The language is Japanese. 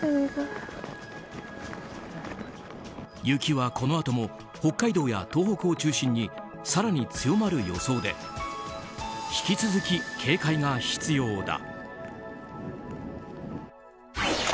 雪はこのあとも北海道や東北を中心に更に強まる予想で引き続き警戒が必要だ。